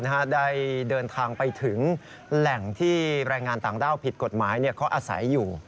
ได้เดินทางไปถึงแหล่งที่แรงงานต่างด้าวผิดกฎหมายเขาอาศัยอยู่